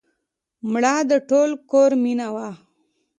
مړه د ټول کور مینه وه